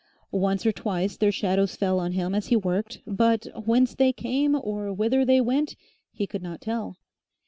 Once or twice their shadows fell on him as he worked, but whence they came or whither they went he could not tell.